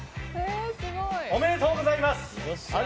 おめでとうございます。